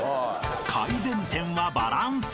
［改善点はバランス］